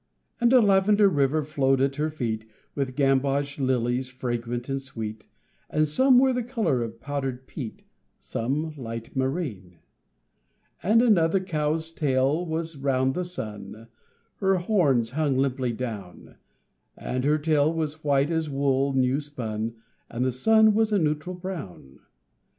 And a lavender river flowed at her feet With gamboge lilies fragrant and sweet, But some were the color of powdered peat, Some light marine. And another cow's tail was round the sun (Her horns hung limply down); And her tail was white as wool new spun, And the sun was a neutral brown.